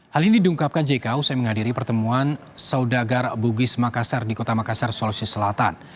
hal ini diungkapkan jk usai menghadiri pertemuan saudagar bugis makassar di kota makassar sulawesi selatan